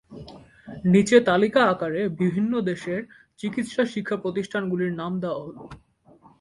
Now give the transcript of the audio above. নিচে তালিকা আকারে বিভিন্ন দেশের চিকিৎসা শিক্ষা প্রতিষ্ঠানগুলির নাম দেয়া হল।